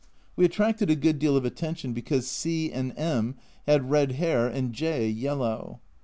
We attracted a good deal of attention, because C and M had red hair and J yellow.